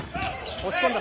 押し込んだ。